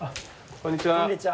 こんにちは。